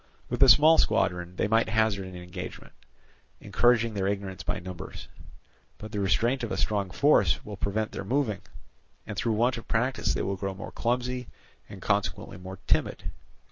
With a small squadron they might hazard an engagement, encouraging their ignorance by numbers; but the restraint of a strong force will prevent their moving, and through want of practice they will grow more clumsy, and consequently more timid.